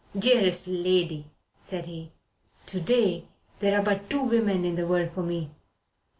"Dearest lady," said he, "to day there are but two women in the world for me.